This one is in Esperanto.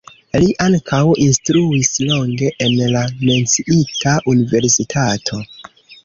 Li ankaŭ instruis longe en la menciita universitato.